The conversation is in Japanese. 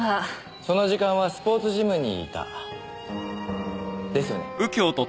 その時間はスポーツジムにいた。ですよね？